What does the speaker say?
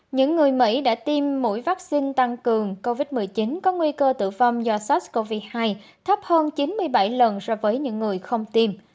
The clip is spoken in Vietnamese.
những người mỹ đã tiêm mũi vaccine tăng cường covid một mươi chín có nguy cơ tử vong do sars cov hai thấp hơn chín mươi bảy lần so với những người không tiêm